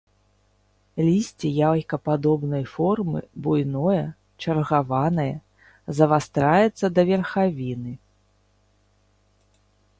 Лісце яйкападобнай формы, буйное, чаргаванае, завастраецца да верхавіны.